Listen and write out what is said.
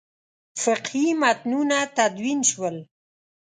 فقهي متنونه تدوین شول.